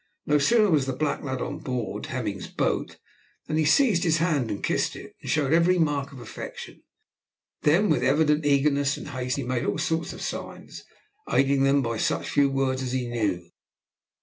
No sooner was the black lad on board Hemming's boat, than he seized his hand and kissed it, and showed every mark of affection. Then with evident eagerness and haste he made all sorts of signs, aiding them by such few words as he knew.